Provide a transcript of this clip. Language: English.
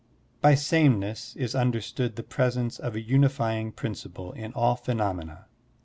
By sameness is understood the presence of a unif5ring principle in all phenomena.